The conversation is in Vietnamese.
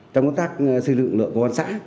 trong công tác xây lượng lượng của quan sã